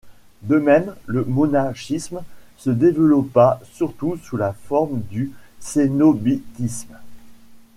De même, le monachisme se développa, surtout sous la forme du cénobitisme.